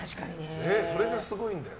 それがすごいんだよな。